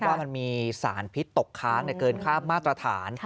ว่ามันมีสารพิษตกค้างเกินค่ามาตรฐาน